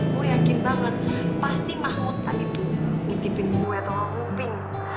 gue yakin banget pasti mahmud tadi tuh ngutipin gue atau nguping